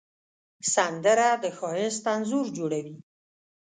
سندره د ښایست انځور جوړوي